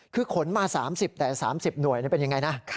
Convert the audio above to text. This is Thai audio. คือขนมา๓๐แต่๓๐หน่วยเป็นยังไงนะ